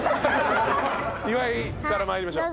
岩井からまいりましょう。